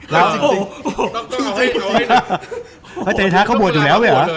ลากรอกตาที่มันเบ่าไว้